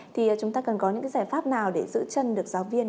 thì chúng ta cần có những cái giải pháp nào để giữ chân được giáo viên